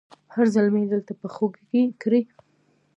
هر زلمي دلته پښو کړي